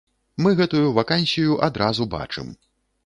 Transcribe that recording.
Мы гэтую вакансію адразу бачым.